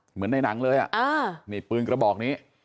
เหมือนในหนังเลยอ่ะนี่ปืนกระบอกนี้